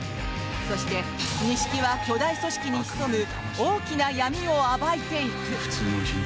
そして西木は、巨大組織に潜む大きな闇を暴いていく。